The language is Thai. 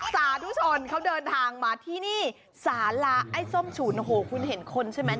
สาธุชนเขาเดินทางมาที่นี่สาลาไอ้ส้มฉุนโอ้โหคุณเห็นคนใช่ไหม